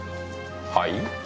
はい？